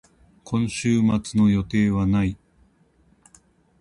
今週末の予定はない。